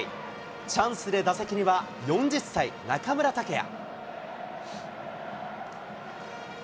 チャンスで打席には４０歳、中村剛也。